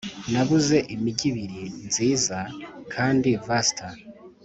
nabuze imigi ibiri, nziza. kandi, vaster,